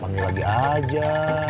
panggil lagi aja